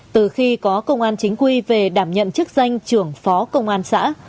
từ khi có công an chính quy về đảm nhận chức danh trưởng phó công an xã